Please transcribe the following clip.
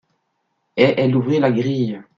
Et elle ouvrit la grille.